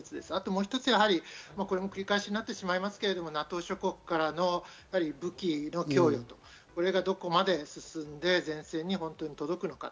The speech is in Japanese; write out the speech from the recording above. もう一つ、繰り返しなってしまいますが、ＮＡＴＯ諸国からの武器の供与、これがどこまで進んで前線に届くのか。